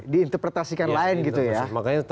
diinterpretasikan lain gitu ya